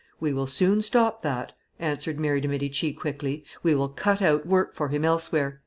"We will soon stop that," answered Mary de' Medici quickly; "we will cut out work for him elsewhere."